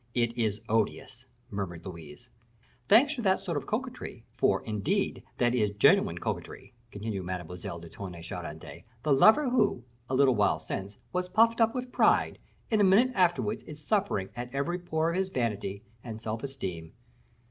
"It is odious!" murmured Louise. "Thanks to that sort of coquetry, for, indeed, that is genuine coquetry," continued Mademoiselle de Tonnay Charente; "the lover who, a little while since, was puffed up with pride, in a minute afterwards is suffering at every pore of his vanity and self esteem.